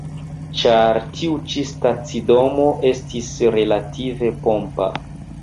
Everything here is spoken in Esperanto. Ĉar tiu ĉi stacidomo estis relative pompa.